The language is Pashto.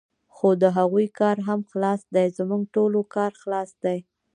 خو د هغوی کار هم خلاص دی، زموږ ټولو کار خلاص دی.